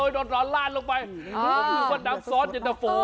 โอ้ยโดนด่อล่านลงไปอ๋อน้ำสีสอดจินทะพู